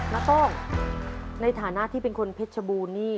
โต้งในฐานะที่เป็นคนเพชรชบูรณนี่